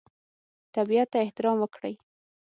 طبیعت ته احترام وکړئ.